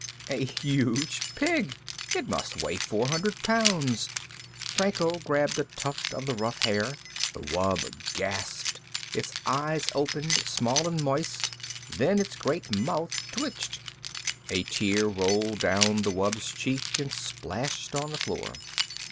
"A huge pig. It must weigh four hundred pounds." Franco grabbed a tuft of the rough hair. The wub gasped. Its eyes opened, small and moist. Then its great mouth twitched. A tear rolled down the wub's cheek and splashed on the floor.